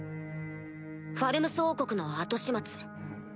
ファルムス王国の後始末。